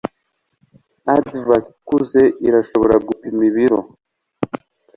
Aardvark ikuze irashobora gupima ibiro .